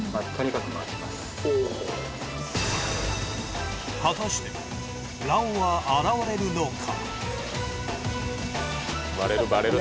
おお果たしてラオは現れるのか？